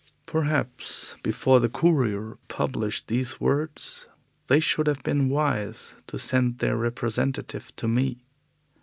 Perhaps before the Courier published these words they would have been wise to send their representative to me.